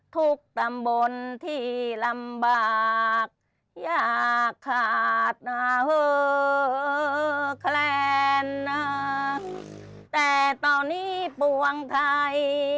ทุกตำบลที่ลำบากยากขาดเอ่อแคลนแต่ตอนนี้ปวงไทย